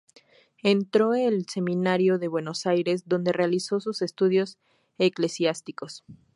Entró en el seminario de Buenos Aires donde realizó sus estudios eclesiásticos.